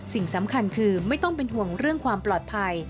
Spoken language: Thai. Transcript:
สิ่งสำคัญคือไม่ต้องเป็นห่วงเรื่องความปลอดภัย